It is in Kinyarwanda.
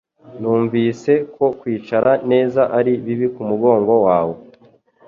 Numvise ko kwicara neza ari bibi kumugongo wawe